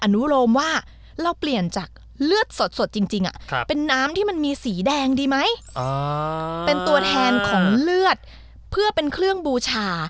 น้ำที่มันมีสีแดงดีไหมอ๋อเป็นตัวแทนของเลือดเพื่อเป็นเครื่องบูชา